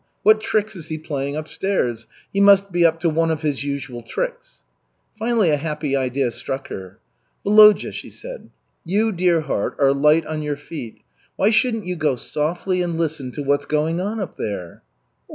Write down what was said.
What tricks is he playing upstairs? He must be up to one of his usual tricks." Finally a happy idea struck her. "Volodya," she said, "you, dear heart, are light on your feet. Why shouldn't you go softly and listen to what's going on up there?"